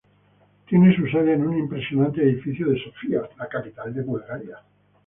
Tiene su sede en un impresionante edificio de Sofía, la capital de Bulgaria.